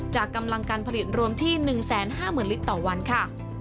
กำลังการผลิตรวมที่๑๕๐๐๐ลิตรต่อวันค่ะ